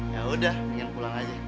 yaudah ingin pulang aja